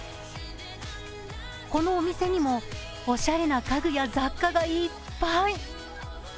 このお店にもおしゃれな家具や雑貨がいっぱい。